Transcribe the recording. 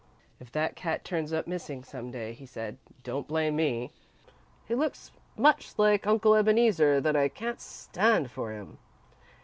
"If that cat turns up missing some day," he said, "don't blame me. He looks so much like Uncle Ebeneezer that I can't stand for him."